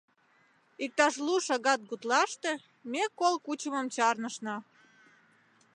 Иктаж лу шагат гутлаште ме кол кучымым чарнышна.